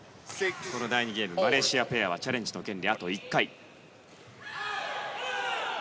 第２ゲーム、マレーシアペアはチャレンジの権利はあと１回。